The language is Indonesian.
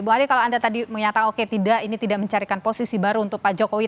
bu ade kalau anda tadi menyatakan oke tidak ini tidak mencarikan posisi baru untuk pak jokowi